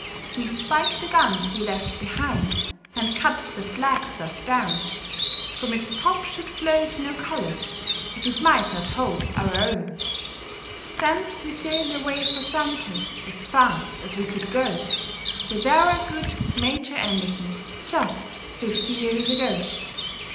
We spiked the guns we left behind, and cut the flag staff down, — From its top should float no colors if it might not hold our own, — Then we sailed away for Sumter as fast as we could go, With our good Major Anderson, just fifty years ago.